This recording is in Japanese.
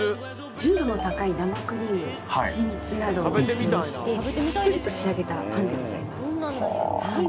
純度の高い生クリーム蜂蜜などを使用してしっとりと仕上げたパンでございます。